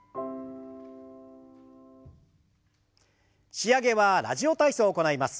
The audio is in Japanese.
仕上げは「ラジオ体操」を行います。